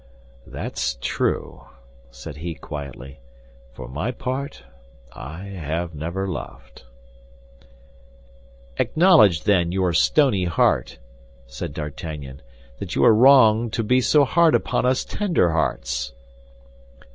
"That's true," said he, quietly, "for my part I have never loved." "Acknowledge, then, you stony heart," said D'Artagnan, "that you are wrong to be so hard upon us tender hearts."